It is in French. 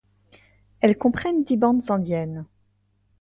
Elles comprennent dix bandes indiennes.